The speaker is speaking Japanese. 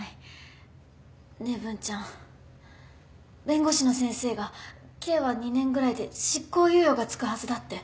ねえ文ちゃん弁護士の先生が刑は２年ぐらいで執行猶予が付くはずだって。